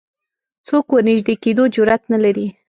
څوک ورنژدې کېدو جرئت نه لري